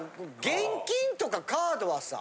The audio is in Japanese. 現金とかカードはさ